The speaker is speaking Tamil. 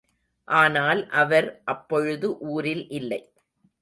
ஆனால், அவர் அப்பொழுது ஊரில் இல்லை.